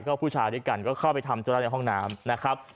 ก็ผู้ชายด้วยกันก็เข้าไปทำธุระในห้องน้ำนะครับ